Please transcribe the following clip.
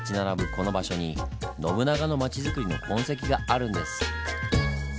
この場所に信長の町づくりの痕跡があるんです。